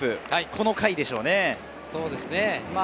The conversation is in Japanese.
この回でしょうね。